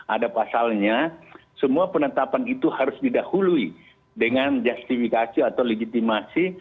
ada pasalnya semua penetapan itu harus didahului dengan justifikasi atau legitimasi